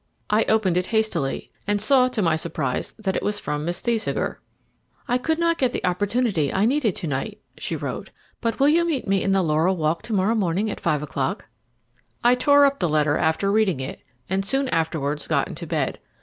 I opened it hastily, and saw to my surprise that it was from Miss Thesiger. "I could not get the opportunity I needed to night," she wrote, "but will you meet me in the Laurel Walk to morrow morning at five o'clock?" I tore up the letter after reading it, and soon afterwards got into bed.